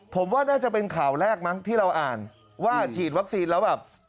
ผมว่าน่าจะเป็นข่าวแรกมั้งที่เราอ่านว่าฉีดวัคซีนแล้วแบบ